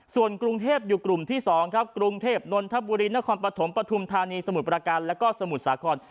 ส่วนกรุงเทพอยู่กลุ่มที่๒ครับกรุงเทพนนทบุรีนครปฐมปฐุมธานีสมุทรประการแล้วก็สมุทรสาคร